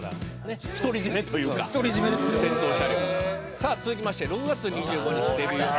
「さあ続きまして６月２５日デビュー予定